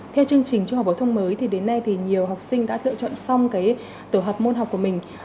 theo chương trình trung học phổ thông mới thì đến nay thì nhiều học sinh đã lựa chọn xong cái tổ hợp môn học của mình